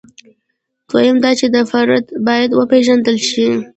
دویم دا چې هر فرد باید وپېژندل شي.